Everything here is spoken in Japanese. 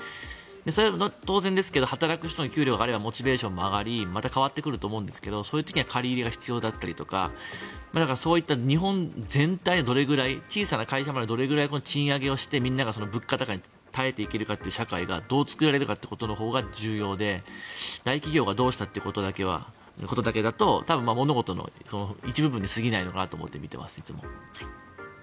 それは当然ですが、働く人の給料が上がればモチベーションも上がりまた変わってくると思うんですけどそういう時には借り入れが必要だったりとかそういった日本全体どれくらい小さな会社までどれくらい賃上げして物価高に耐えていけるかという社会をどう作られるかってことのほうが重要で大企業がどうしたってことだけだと多分物事の一部分に過ぎないのかなと思って見ています、いつも。